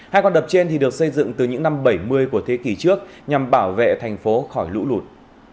hai con đập trên được xây dựng từ những năm bảy mươi của thế kỷ trước nhằm bảo vệ thành phố khỏi lũ lụt